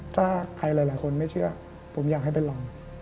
ถ้าใครหลายคนไม่เชื่อผมอยากให้ไปลอง